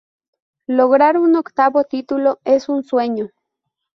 Lograr un octavo título es un sueño.